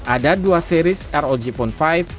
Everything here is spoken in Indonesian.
ada dua series rog phone lima